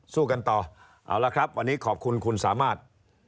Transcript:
สู้กันต่อเอาละครับวันนี้ขอบคุณคุณสามารถ